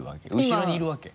後ろにいるわけ？